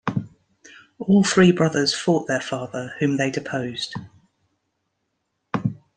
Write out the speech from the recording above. All three brothers fought their father, whom they deposed.